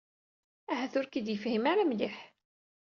Ahat ur k-id-yefhim ara mliḥ.